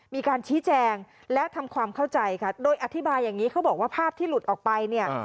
มีการชี้แจงและทำความเข้าใจค่ะโดยอธิบายอย่างนี้เขาบอกว่าภาพที่หลุดออกไปเนี่ย